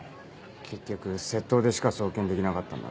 結局窃盗でしか送検できなかったんだから。